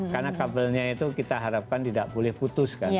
karena kabelnya itu kita harapkan tidak boleh putus kan